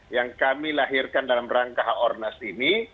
yang kami lahirkan dalam rangka ornas ini